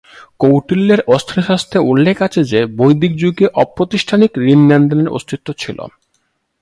কৌটিল্যের অর্থশাস্ত্রে উল্লেখ আছে যে, বৈদিক যুগে অপ্রাতিষ্ঠানিক ঋণ লেনদেনের অস্তিত্ব ছিল।